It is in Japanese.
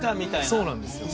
そうなんですよ。